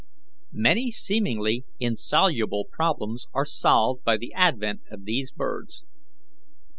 Many seemingly insoluble problems are solved by the advent of these birds.